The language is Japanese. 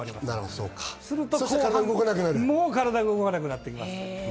すると、もう体が動かなくなってきます。